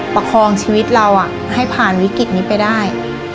ประคองชีวิตเราให้ผ่านวิกฤตนี้ไปได้